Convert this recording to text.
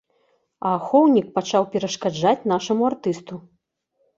А ахоўнік пачаў перашкаджаць нашаму артысту.